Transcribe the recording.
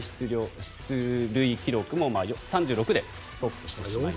出塁記録も３６でストップしてしまいました。